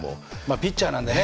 ピッチャーなんでね